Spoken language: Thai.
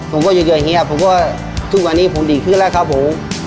ผมก็อยู่เฮียผมก็ทุกวันนี้ผมดีขึ้นแล้วครับผม